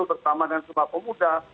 bersama dengan semua pemuda